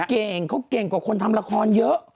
เก่งเขาเก่งกว่าคนทำละครเยอะ